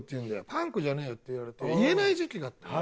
パンクじゃねえよって言われて言えない時期があったの。